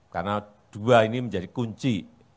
karena dua ini menjadi kunci